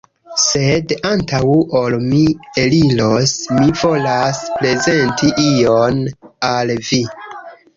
Sed antaŭ ol mi eliros, mi volas prezenti ion al vi